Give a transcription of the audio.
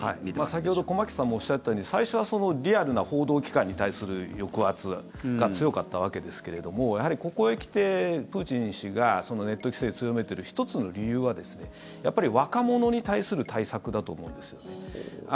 先ほど駒木さんもおっしゃったように最初はリアルな報道機関に対する抑圧が強かったわけですけれどもやはり、ここへ来てプーチン氏がネット規制を強めている１つの理由はやっぱり若者に対する対策だと思うんですよね。